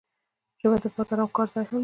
ژبه د بازار او کار ځای هم ده.